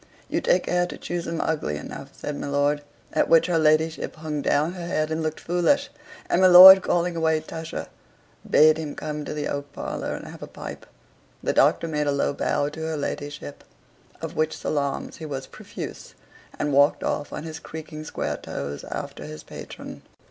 "You take care to choose 'em ugly enough," said my lord, at which her ladyship hung down her head and looked foolish: and my lord, calling away Tusher, bade him come to the oak parlor and have a pipe. The Doctor made a low bow to her ladyship (of which salaams he was profuse), and walked off on his creaking square toes after his patron.